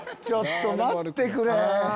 ちょっと待ってくれ！